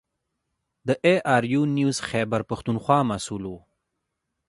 د اې ار یو نیوز خیبر پښتونخوا مسوول و.